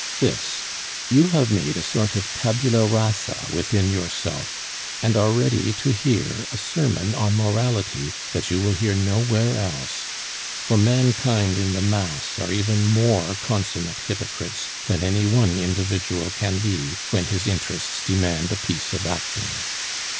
This: you have made a sort of tabula rasa within yourself, and are ready to hear a sermon on morality that you will hear nowhere else; for mankind in the mass are even more consummate hypocrites than any one individual can be when his interests demand a piece of acting.